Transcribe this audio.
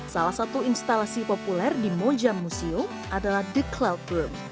salah satu instalasi populer di moja museum adalah the cloud trump